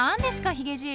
ヒゲじい。